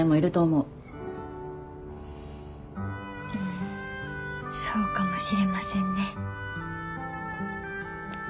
うんそうかもしれませんね。